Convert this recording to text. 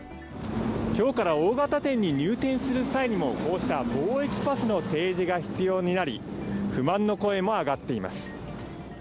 今日から大型店に入店する際にもこうした防疫パスの提示が必要なり不満の声も上がっています。